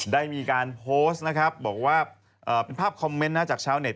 ได้มีการโพสต์เป็นภาพคอมเมนต์จากชาวเน็ต